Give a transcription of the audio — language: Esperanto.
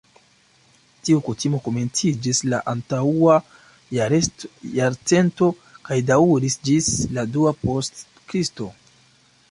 Tiu kutimo komenciĝis la antaŭa jarcento kaj daŭris ĝis la dua post Kristo.